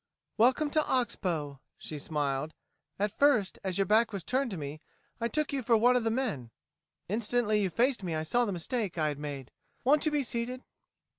"Welcome to Ox Bow," she smiled. "At first, as your back was turned to me, I took you for one of the men. Instantly you faced me I saw the mistake I had made. Won't you be seated?"